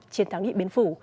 chiến thắng địa biến phủ